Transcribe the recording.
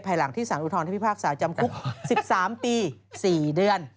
หลังที่สารอุทธรณที่พิพากษาจำคุก๑๓ปี๔เดือน